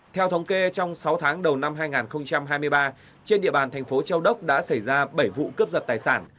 theo thống kê trong sáu tháng đầu năm hai nghìn hai mươi ba trên địa bàn thành phố châu đốc đã xảy ra bảy vụ cướp giật tài sản